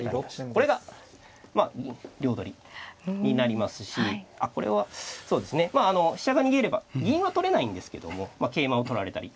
これがまあ両取りになりますしあっこれはそうですね飛車が逃げれば銀は取れないんですけども桂馬を取られたり。